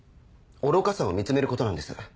愚かさを見つめることなんです。